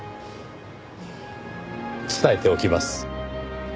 伝えておきます。